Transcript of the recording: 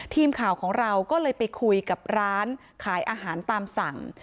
ทีมข่าวของเราก็เลยไปคุยกับร้านขายอาหารตามสั่ง